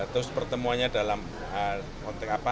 terus pertemuannya dalam konteks apa